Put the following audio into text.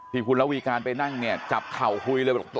ที่คุณระวีการไปนั่งเนี่ยจับเข่าคุยเลยบอก